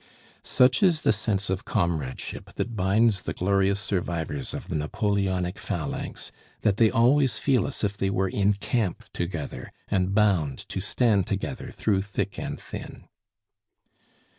Such is the sense of comradeship that binds the glorious survivors of the Napoleonic phalanx, that they always feel as if they were in camp together, and bound to stand together through thick and thin.